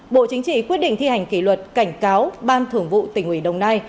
bộ chính trị quyết định thi hành kỷ luật cảnh cáo ban thường vụ tình uỷ đồng nai